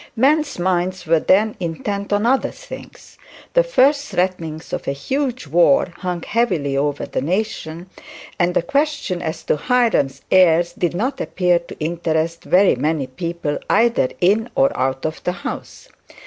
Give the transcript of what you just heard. Men's minds were then intent on other things. The first threatenings of a huge war hung heavily over the nation, and the question as to Hiram's heirs did not appear to interest very many people either in or out of the House.